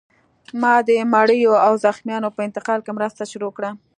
ما د مړیو او زخمیانو په انتقال کې مرسته شروع کړه